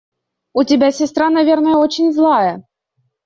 У тебя сестра, наверное, очень злая?